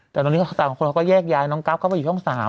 แต่ตอนนี้คนเราก็แยกย้ายน้องกรัฟเข้าไปอยู่ช่อง๓